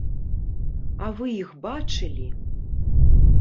А вы іх бачылі?